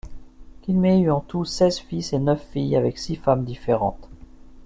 Kinmei eut en tout seize fils et neuf filles, avec six femmes différentes.